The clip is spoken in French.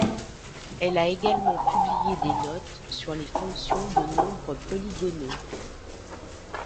Elle a également publié des notes sur les fonctions de nombres polygonaux.